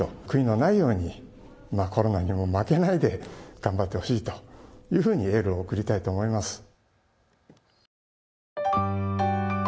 悔いのないようにコロナにも負けないで頑張ってほしいというふうにエールを送りたいと思います。